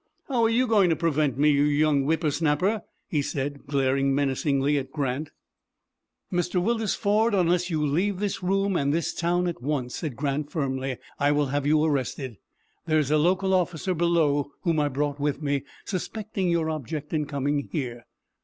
"How are you going to prevent me, you young whippersnapper?" he said, glaring menacingly at Grant. "Mr. Willis Ford, unless you leave this room and this town at once," said Grant, firmly, "I will have you arrested. There is a local officer below whom I brought with me, suspecting your object in coming here."